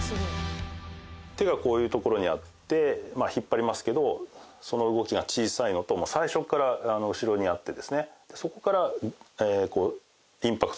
手がこういうところにあって引っ張りますけどその動きが小さいのともう最初から後ろにあってですねそこから。